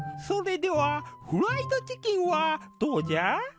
それではフライドチキンはどうじゃ？